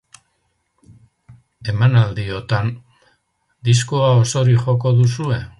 Emanaldiotan, diskoa osorik joko duzue?